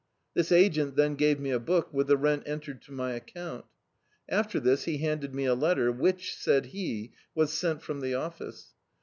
This agent then gave me a book, with the rent entered to my account After this he banded me a letter, which, said he, was sent from the office.